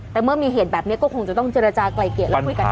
แต่เมื่อมีเหตุแบบนี้ก็คงจะต้องเจรจากลายเกลียดแล้วคุยกัน